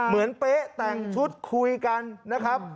เหมือนเป๊ะแต่งชุดคุยกันนะครับ